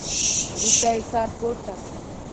وروسته يې سر پورته کړ.